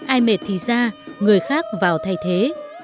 ai mệt thì ra người khác vào thay thế